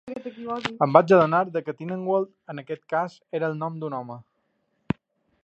Em vaig adonar de què Tannenwald, en aquest cas, era el nom d'un home.